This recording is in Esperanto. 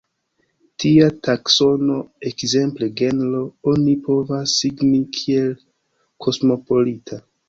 Tia taksono, ekzemple genro, oni povas signi kiel kosmopolita.